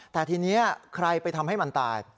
แต่ทีนี้ใครไปทำให้มันตาย